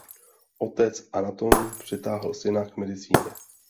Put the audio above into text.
Otec anatom přitáhl syna k medicíně.